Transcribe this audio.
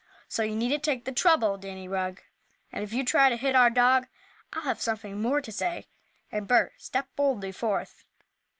So you needn't take the trouble, Danny Rugg. And if you try to hit our dog I'll have something more to say," and Bert stepped boldly forth.